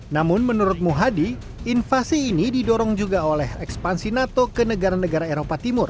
namun menurut muhadi invasi ini didorong juga oleh ekspansi nato ke negara negara eropa timur